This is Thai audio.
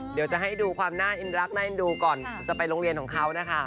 เดี๋ยวจะให้ดูความน่าอินรักน่าเอ็นดูก่อนจะไปโรงเรียนของเขานะคะ